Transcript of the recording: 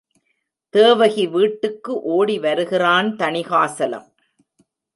தேவகி வீட்டுக்கு ஓடி வருகிறான் தணிகாசலம்.